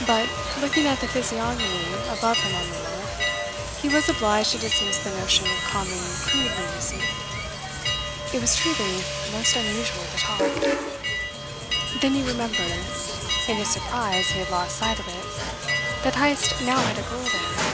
But, looking at the physiognomy above him on the wharf, he was obliged to dismiss the notion of common, crude lunacy. It was truly most unusual talk. Then he remembered in his surprise he had lost sight of it that Heyst now had a girl there.